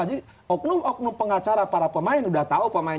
jadi oknum oknum pengacara para pemain udah tahu pemain